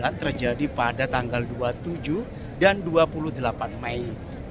dan ini terjadi pada tanggal dua puluh tujuh dan dua puluh delapan mei